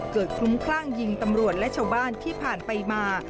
คลุ้มคลั่งยิงตำรวจและชาวบ้านที่ผ่านไปมา